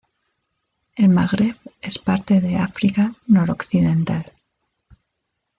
El Magreb es parte de África noroccidental.